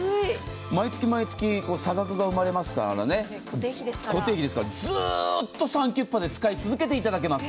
毎月毎月差額が生まれますから、固定費ですから、ずーっとサンキュッパで使い続けていただけます。